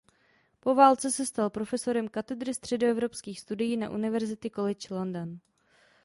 Po válce se stal profesorem Katedry středoevropských studií na University College London.